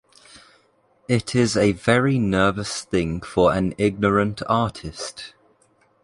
It is a very nervous thing for an ignorant artist.